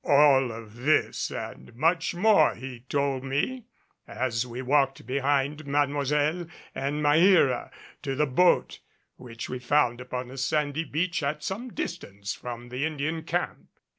All of this and much more he told me as we walked behind Mademoiselle and Maheera to the boat, which we found upon a sandy beach at some distance from the Indian camp.